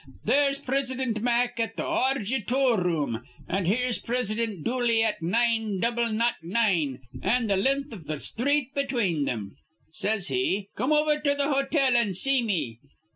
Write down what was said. There's Prisidint Mack at th' Audjiotoroom, an' here's Prisidint Dooley at nine double naught nine, an' th' len'th iv th' sthreet between thim. Says he, 'Come over to th' hotel an' see me.'